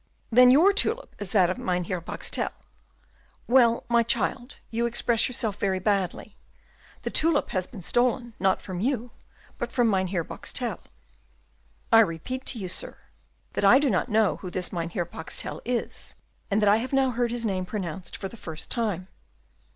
"Then your tulip is that of Mynheer Boxtel. Well, my child, you express yourself very badly. The tulip has been stolen, not from you, but from Mynheer Boxtel." "I repeat to you, sir, that I do not know who this Mynheer Boxtel is, and that I have now heard his name pronounced for the first time."